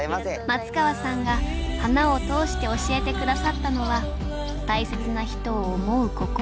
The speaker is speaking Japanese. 松川さんが花を通して教えて下さったのは大切な人を思う心。